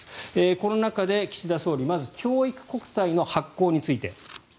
この中で岸田総理まず教育国債の発行について。